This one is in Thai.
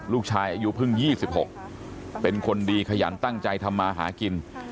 ลูกชายอายุเพิ่ง๒๖เป็นคนดีขยันตั้งใจทำมาหากิน